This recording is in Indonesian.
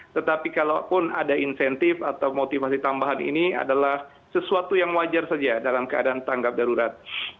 tetapi kalaupun ada insentif atau motivasi tambahan ini adalah sesuatu yang wajar saja dalam keadaan tanggap darurat